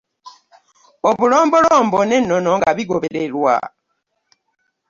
Obulombolombo n'ennono nga bigobererwa.